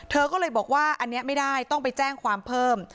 เธอก็เลยบอกว่าอันนี้ไม่ได้ต้องไปแจ้งความเพิ่ม